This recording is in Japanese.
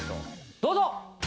どうぞ。